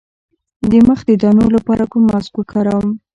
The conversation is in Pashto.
د مخ د دانو لپاره کوم ماسک وکاروم؟